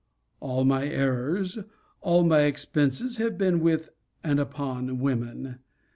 All my errors, all my expenses, have been with and upon women.